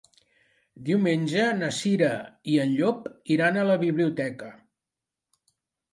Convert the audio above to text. Diumenge na Cira i en Llop iran a la biblioteca.